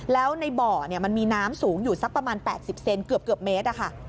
แล้วในบ่อมันมีน้ำสูงอยู่สักประมาณ๘๐เซนเกือบเมตร